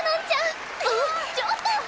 ちょっと！